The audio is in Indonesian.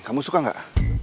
kamu suka gak